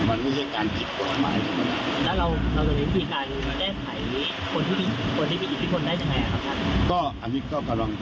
มันไม่ใช่การกิจกฏหมายจริง